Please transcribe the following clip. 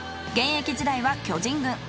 現役時代は巨人軍。